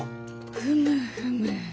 ふむふむ。